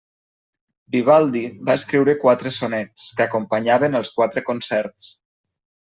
Vivaldi va escriure quatre sonets, que acompanyaven els quatre concerts.